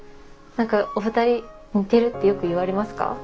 何かお二人似てるってよく言われますか？